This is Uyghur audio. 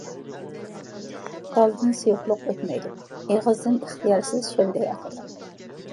گالدىن سۇيۇقلۇق ئۆتمەيدۇ، ئېغىزدىن ئىختىيارسىز شۆلگەي ئاقىدۇ.